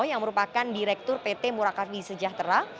yang merupakan direktur pt murakabi sejahtera